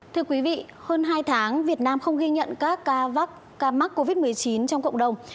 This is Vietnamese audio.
thưa quý vị hơn hai tháng việt nam không ghi nhận các ca mắc covid một mươi chín trong cộng đồng